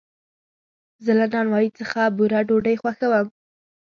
زه له نانوایي څخه بوره ډوډۍ خوښوم.